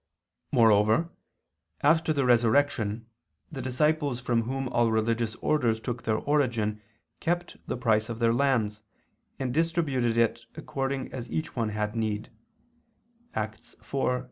Moreover, after the resurrection, the disciples from whom all religious orders took their origin kept the price of the lands, and distributed it according as each one had need (Acts 4:34, 35).